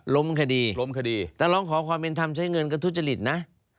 คดีล้มคดีแต่ร้องขอความเป็นธรรมใช้เงินก็ทุจริตนะ